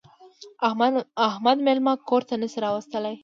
احمد مېلمه کور ته نه شي راوستلی.